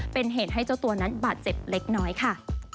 เป็นเหตุให้เจ้าตัวนั้นบาดเจ็บเล็กน้อยค่ะ